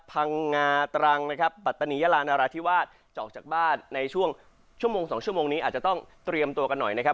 พังงาตรังนะครับปัตตานียาลานราธิวาสออกจากบ้านในช่วงชั่วโมง๒ชั่วโมงนี้อาจจะต้องเตรียมตัวกันหน่อยนะครับ